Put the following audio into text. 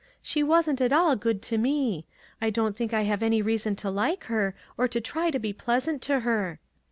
" She wasn't at all good to me. I don't think I have any reason to like her, or to try to be pleasant to her."